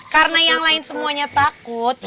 karena yang lain semuanya takut